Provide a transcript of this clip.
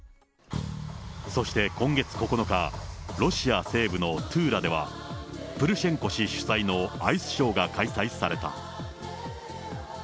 そして今月９日、ロシア西部のトゥーラでは、プルシェンコ氏主催のアイスショーが開催された。